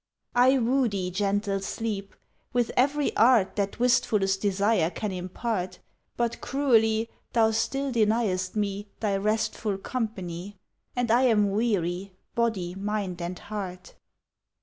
I woo thee, gentle Sleep, with every art That wistfullest desire can impart; But cruelly Thou still deniest me Thy restful company, And I am weary body, mind and heart.